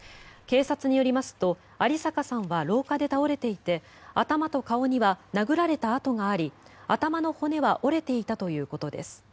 警察によりますと有坂さんは廊下で倒れていて頭と顔には殴られた痕があり頭の骨は折れていたということです。